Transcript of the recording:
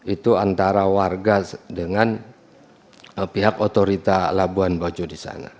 itu antara warga dengan pihak otorita labuan bajo di sana